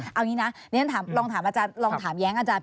เอาอย่างนี้นะเรียนรันลองถามแย้งอาจารย์